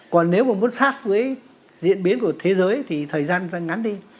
còn nếu mà muốn sát với diễn biến của thế giới thì thời gian sẽ ngắn đi